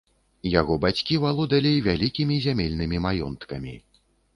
Яго бацькі валодалі вялікімі зямельнымі маёнткамі.